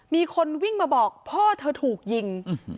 มีคนวิ่งมาบอกพ่อเธอถูกยิง